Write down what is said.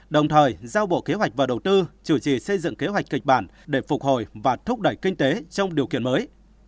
đồng thời giao bộ kế hoạch và đầu tư chủ trì xây dựng kế hoạch kịch bản để phục hồi và thúc đẩy kinh tế trong điều kiện mới